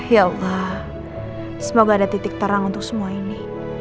ya allah semoga ada titik terang untuk semua ini